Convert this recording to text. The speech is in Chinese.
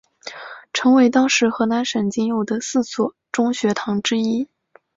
成为当时河南省仅有的四所中学堂之一。